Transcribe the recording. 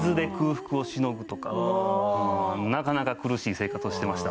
なかなか苦しい生活をしてました。